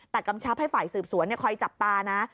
แต่กำชับให้ฝ่ายสืบสวนคอยจับตานะ